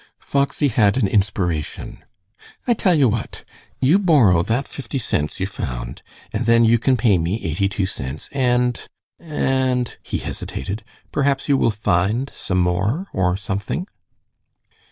Foxy had an inspiration. "I tell you what. You borrow that fifty cents you found, and then you can pay me eighty two cents, and and " he hesitated "perhaps you will find some more, or something."